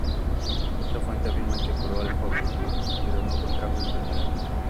Otra fuente afirma que curó al joven, pero no contrajo la enfermedad.